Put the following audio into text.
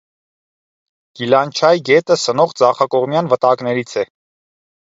Գիլանչայ գետը սնող ձախակողմյան վտակներից է։